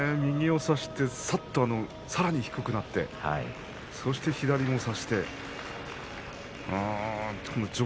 右を差してさっとさらに低くなってそして左を差してね